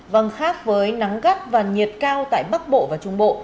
vâng khác với nắng gắt và nhiệt cao tại bắc bộ và trung bộ